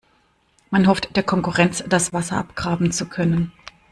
Man hofft, der Konkurrenz das Wasser abgraben zu können.